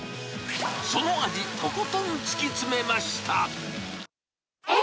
その味、とことん突き詰めました。